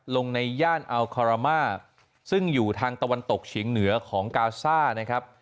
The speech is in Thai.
ในย่านอัลคารามาซึ่งอยู่ทางตะวันตกเฉียงเหนือของกาซ่านะครับ